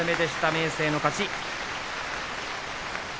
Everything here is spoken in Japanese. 明生の勝ちです。